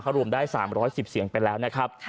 รวมได้๓๑๐เสียงไปแล้วนะครับ